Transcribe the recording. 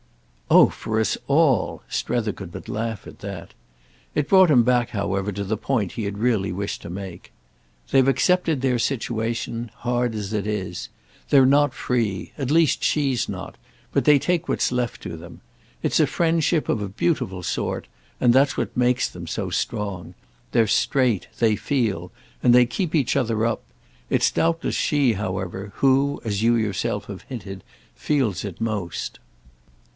_" "Oh for us 'all'—!" Strether could but laugh at that. It brought him back, however, to the point he had really wished to make. "They've accepted their situation—hard as it is. They're not free—at least she's not; but they take what's left to them. It's a friendship, of a beautiful sort; and that's what makes them so strong. They're straight, they feel; and they keep each other up. It's doubtless she, however, who, as you yourself have hinted, feels it most."